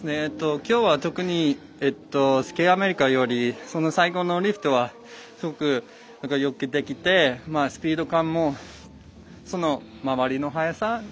きょうは特にスケートアメリカより最後のリフトはすごくよくできてスピード感も、回りの速さ